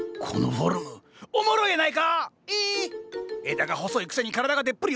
枝が細いくせに体がでっぷり大きい！